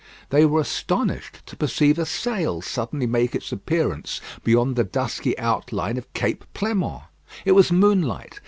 They were astonished to perceive a sail suddenly make its appearance beyond the dusky outline of Cape Pleinmont. It was moonlight.